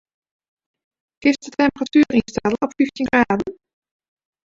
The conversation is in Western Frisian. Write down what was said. Kinst de temperatuer ynstelle op fyftjin graden?